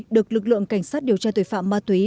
được lực lượng cảnh sát điều tra tội phạm ma túy